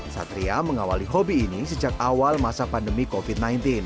satria mengawali hobi ini sejak awal masa pandemi covid sembilan belas